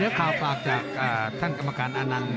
เดี๋ยวข่าวปากจากท่านกรรมการอานันท์